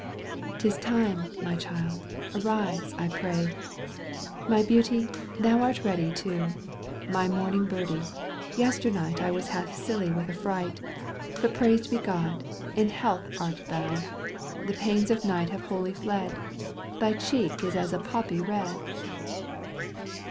" Tis time, my child, arise, I pray ! My beauty, thou art ready too. My morning birdie, yesternight I was half siUy with affright. But praised be Glod ! in health art thou 1 The pains of night have wholly fled. Thy cheek is as a poppy red